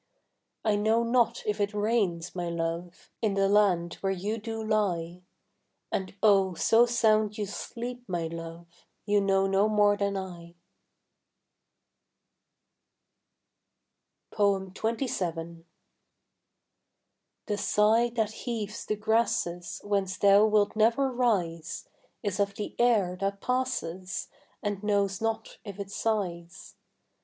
I know not if it rains, my love, In the land where you do lie; And oh, so sound you sleep, my love, You know no more than I. XXVII. The sigh that heaves the grasses Whence thou wilt never rise Is of the air that passes And knows not if it sighs.